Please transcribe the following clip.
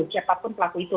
siapapun pelaku itu